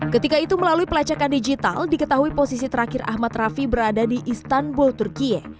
ketika itu melalui pelacakan digital diketahui posisi terakhir ahmad rafi berada di istanbul turkiye